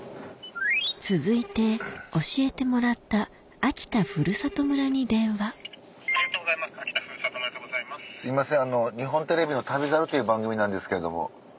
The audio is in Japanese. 続いて教えてもらったすいません日本テレビの『旅猿』という番組なんですけれども。